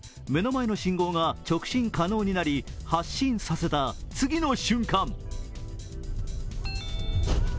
目の前の信号が直進可能になり発進させた次の瞬間